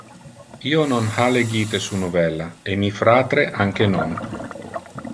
Io non ha legite su novella, e mi fratre anque non.